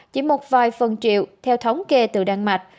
chỉ một vài phần triệu theo thống kê từ đan mạch